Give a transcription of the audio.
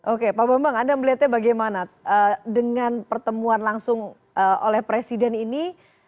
oke pak bambang anda melihatnya bagaimana dengan pertemuan langsung oleh presiden ini